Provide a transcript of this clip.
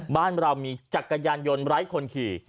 บ้านเรามีจักรยานยนต์ไร้คนขี่